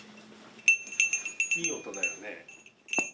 いい音だよね。